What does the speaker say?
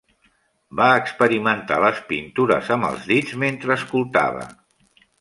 Va experimentar les pintures amb els dits mentre escoltava.